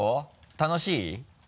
楽しい？